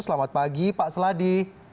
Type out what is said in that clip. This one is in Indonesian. selamat pagi pak seladi